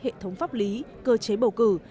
hệ thống pháp lý cơ chế bầu cử